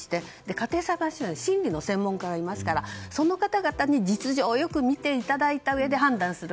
家庭裁判所には審理の専門家がいますからその方々に実情をよく見ていただいて判断する。